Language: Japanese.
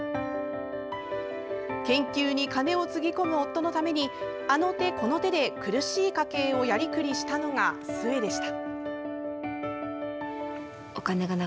研究に金をつぎ込む夫のためにあの手この手で苦しい家計をやりくりしたのが、壽衛でした。